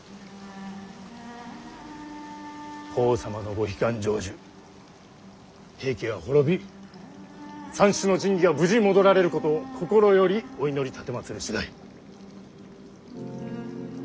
法皇様のご悲願成就平家が滅び三種の神器が無事戻られること心よりお祈り奉る次第。